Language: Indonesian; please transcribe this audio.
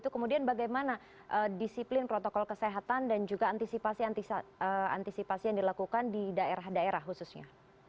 kemudian bagaimana disiplin protokol kesehatan dan juga antisipasi yang dilakukan di daerah daerah khususnya